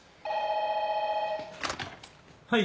☎はい。